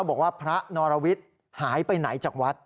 บอกว่าพระนรวิทย์หายไปไหนจากวัด